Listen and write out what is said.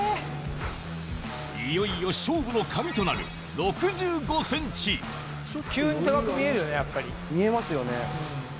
いよいよ勝負の鍵となる６５急に高く見えるよね、やっぱ見えますよね。